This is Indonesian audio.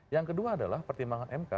yang kedua adalah pertimbangan mk